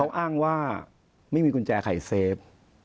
อ้างว่าไม่มีกุญแจขายเซฟ